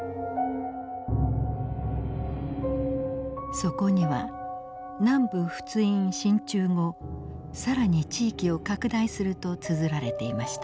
そこには「南部仏印進駐後更に地域を拡大する」とつづられていました。